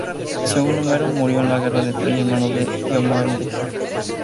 Según Homero, murió en la guerra de Troya a manos de Diomedes.